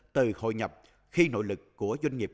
từ hội nhập khi nội lực của doanh nghiệp